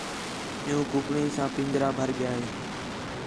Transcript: عِیّوں کُکڑیں سا پھنجرہ بھر ڳِیا ہے